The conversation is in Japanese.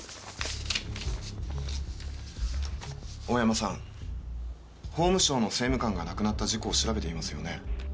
大山さん法務省の政務官が亡くなった事故を調べていますよね？